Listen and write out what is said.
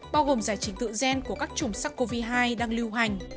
bao gồm giải chính tựu gen của các chủng sắc covid hai đang lưu hành